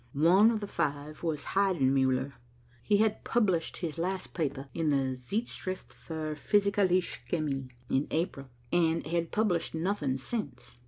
One of the five was Heidenmuller. He had published his last paper in the Zeitschrift fur Physicalische Chemie in April, 19 , and had published nothing since.